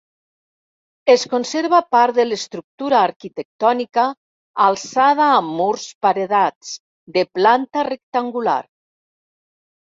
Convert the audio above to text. Es conserva part de l'estructura arquitectònica, alçada amb murs paredats, de planta rectangular.